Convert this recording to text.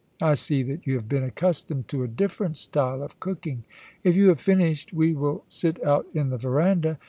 I see that you have been accustomed to a different style of cooking. If you have finished we will sit out in the verandah.